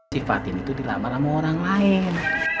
sifatin itu dilamar sama orang lain